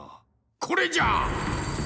これじゃ！